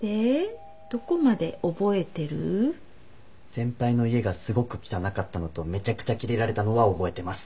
先輩の家がすごく汚かったのとめちゃくちゃキレられたのは覚えてます。